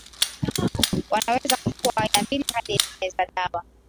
Wanaweza kuchukua aina mbili hadi nne za dawa